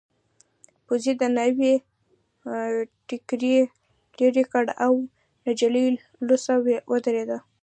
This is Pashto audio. پوځي د ناوې ټکري لیرې کړ او نجلۍ لوڅه ودرېده.